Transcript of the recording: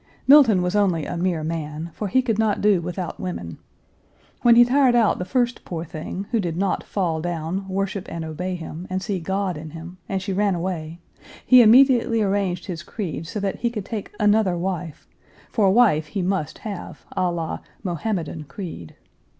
Milton was only a mere man, for he could not do without women. When he tired out the first poor thing, who did not fall down, worship, and obey him, and see God in him, and she ran away, he immediately arranged his creed so that he could take another wife; for wife he must have, a la Mohammedan creed.